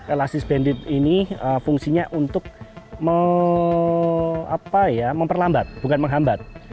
elastis bandit ini fungsinya untuk memperlambat bukan menghambat